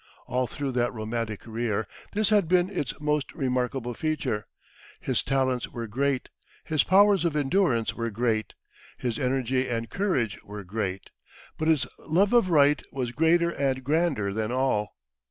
All through that romantic career this had been its most remarkable feature. His talents were great, his powers of endurance were great, his energy and courage were great; but his love of right was greater and grander than all.